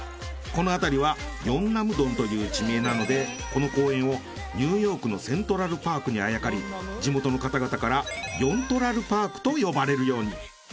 このあたりはヨンナム洞という地名なのでこの公園をニューヨークのセントラルパークにあやかり地元の方々からヨントラルパークと呼ばれるように。